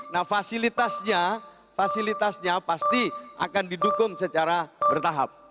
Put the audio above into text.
nah fasilitasnya fasilitasnya pasti akan didukung secara bertahap